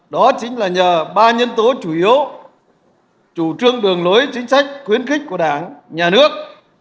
đó chính là nhờ vào ba yếu tố chủ trương đường lối chính sách khuyến khích của đảng nhà nước